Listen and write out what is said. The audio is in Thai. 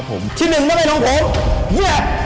ท่านชีวิตหนึ่งต้องไปลงเทเลนด์